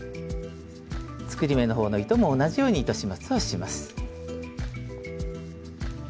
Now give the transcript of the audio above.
作り目の方の糸も同じように糸始末をします。